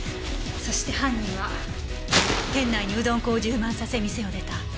そして犯人は店内にうどん粉を充満させ店を出た。